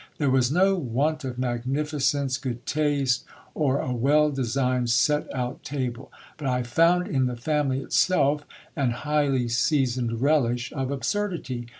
There was no want of magnificence, good taste, or a well designed set out table ! but I found in the family itself an highly seasoned relish of absurdity.